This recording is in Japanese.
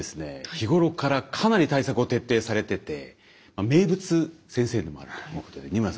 日ごろからかなり対策を徹底されてて名物先生でもあると仁村さん